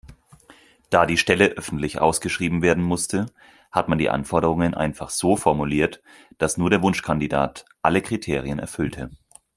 Da die Stelle öffentlich ausgeschrieben werden musste, hat man die Anforderungen einfach so formuliert, dass nur der Wunschkandidat alle Kriterien erfüllte.